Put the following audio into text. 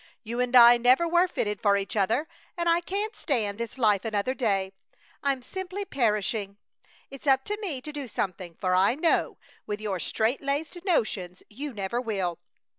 You and I never were fitted for each other, and I can't stand this life another day. I'm simply perishing! It's up to me to do something, for I know, with your strait laced notions, you never will!